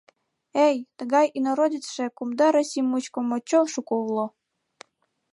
Эй, тыгай инородецше кумда Россий мучко мочоло шуко уло!